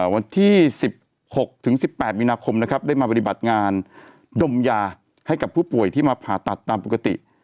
วันที่๑๖๑๘มีนาคมนะครับได้มาปฏิบัติงานดมยาให้กับผู้ป่วยที่มาผ่าตัดตามปกติ